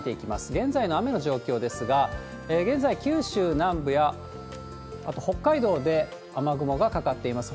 現在の雨の状況ですが、現在、九州南部や、あと北海道で雨雲がかかっています。